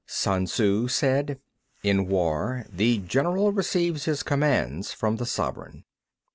Sun Tzŭ said: In war, the general receives his commands from the sovereign.